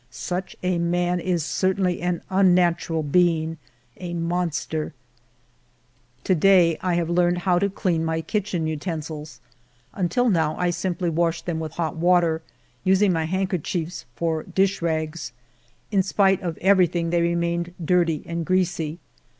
Such a man is certainly an unnatural being, a monster ! To day I have learned how to clean my kitchen utensils. Until now I simply washed them with hot water, using my handkerchiefs for dish rags. In spite of everything they remained dirty and greasy.